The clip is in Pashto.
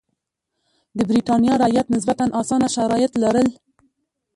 د برېټانیا رعیت نسبتا اسانه شرایط لرل.